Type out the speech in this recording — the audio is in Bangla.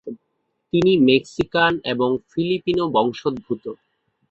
তিনি মেক্সিকান এবং ফিলিপিনো বংশোদ্ভূত।